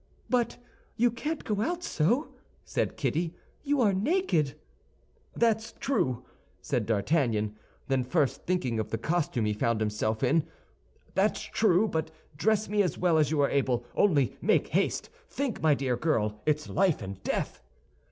"But you can't go out so," said Kitty; "you are naked." "That's true," said D'Artagnan, then first thinking of the costume he found himself in, "that's true. But dress me as well as you are able, only make haste; think, my dear girl, it's life and death!"